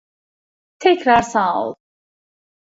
Tekrar sağ ol.